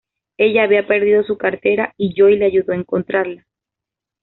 Ella había perdido su cartera y Joey le ayudó a encontrarla.